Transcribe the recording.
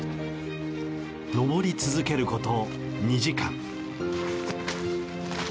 登り続けること２時間。